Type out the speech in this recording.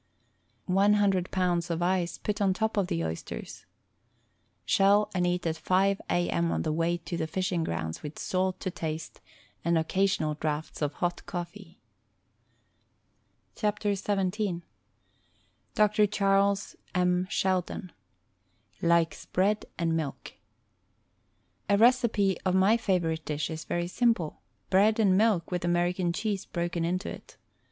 One hundred pounds of ice put on top of the oysters. Shell and eat at 5 a. m. on the way to the fishing grounds with salt to taste, and occasional draughts of hot cofEee. THE STAG COOK BOOK XVII L>r. Charles M, Sheldon LIKES BREAD AND MILK A recipe of my favorite dish is very simple — ^bread and milk with American cheese broken into it.